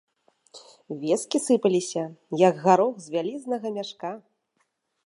Весткі сыпаліся, як гарох з вялізнага мяшка.